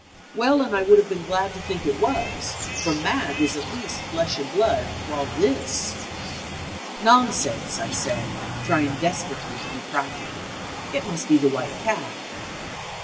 Well and I would have been glad to think it was, for Mag was at least flesh and blood while this —! "Nonsense!" I said, tryingdesperatelyto be practical. "It must be the white calf."